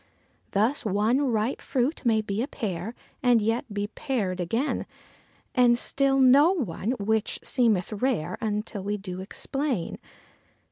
Thus, one ripe fruit may be a pear, and yet be pared again, And still no one, which seemeth rare until we do explain.